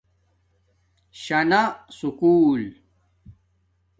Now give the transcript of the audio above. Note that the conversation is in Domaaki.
شانا سکُول